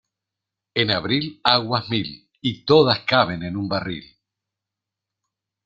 En abril aguas mil y todas caben en un barril.